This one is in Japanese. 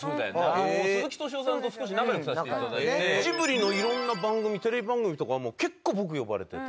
鈴木敏夫さんと少し仲良くさせて頂いてジブリの色んな番組テレビ番組とかも結構僕呼ばれてて。